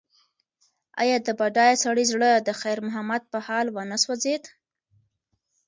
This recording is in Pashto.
ایا د بډایه سړي زړه د خیر محمد په حال ونه سوځېد؟